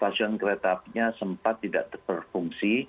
tadi dilaporkan kereta apinya sempat tidak berfungsi